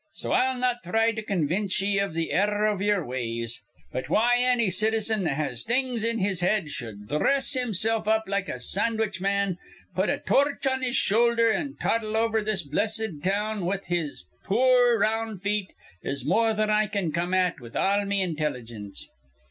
So I'll not thry to con vince ye iv th' error iv ye'er ways. But why anny citizen that has things in his head shud dhress himself up like a sandwich man, put a torch on his shoulder, an' toddle over this blessid town with his poor round feet, is more than I can come at with all me intelligence.